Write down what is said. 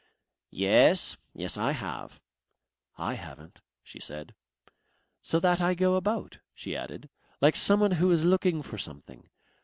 "Yes. Yes, I have." "I haven't," she said. "So that I go about," she added, "like someone who is looking for something.